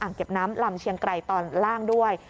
เก็บน้ำลำเชียงไกรตอนล่างด้วย